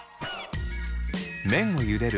麺をゆでる